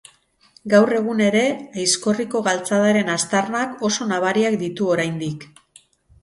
Gaur egun ere, Aizkorriko galtzadaren aztarnak oso nabariak ditu oraindik.